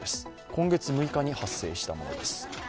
今月６日に発生したものです。